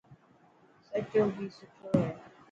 سچو گهي سٺو هي.